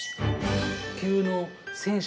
卓球の選手。